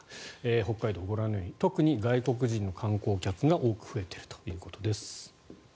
北海道、ご覧のように特に外国人の観光客が多く増えているということです。